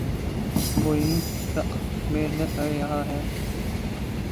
معیز سخت محنت کر رہا ہے